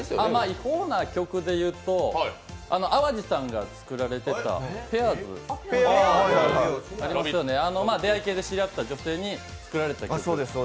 違法な曲でいうと淡路さんが作られていた「ペアーズ」ありますよね、出会い系で知り合った女性に作られた曲。